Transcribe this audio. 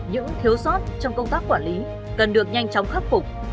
những thiếu sót trong công tác quản lý cần được nhanh chóng khắc phục